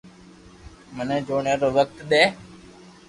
مني جوڻيا رو وقت دي